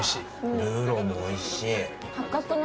ルーローもおいしい。